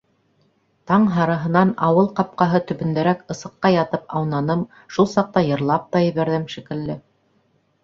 Таң һарыһынан ауыл ҡапҡаһы төбөндәрәк ысыҡҡа ятып аунаным, шул саҡта йырлап та ебәрҙем, шикелле.